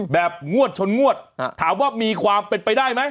แบบงวดชนงวดถามว่ามีความเป็นไปได้ไหม